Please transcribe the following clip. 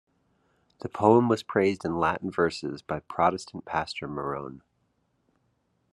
The poem was praised in Latin verses by Protestant pastor Marron.